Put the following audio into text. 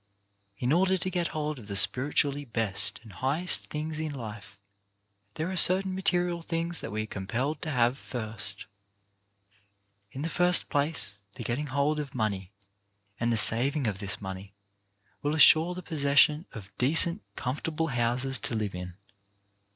In order to get hold of the spiritually best and highest things in life there are certain material things that we are compelled to have first. In the first place the getting hold of money and the saving of this money will assure the possession of decent comfortable houses to live in.